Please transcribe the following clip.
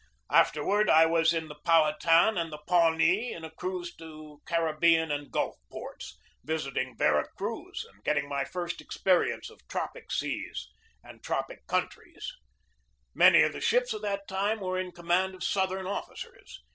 Afterward I was in the Pow hatan and the Pawnee in a cruise to Caribbean and Gulf ports, visiting Vera Cruz and getting my first experience of tropic seas and tropic countries. Many 34 GEORGE DEWEY of the ships of that time were in command of Southern officers.